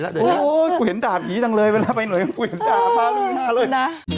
โอ้โฮกูเห็นตาผีจังเลยเวลาไปหน่วยกูเห็นตาพาลื้อหน้าเลย